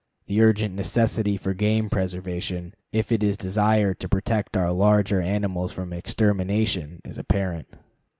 The urgent necessity for game preservation, if it is desired to protect our larger animals from extermination, is apparent.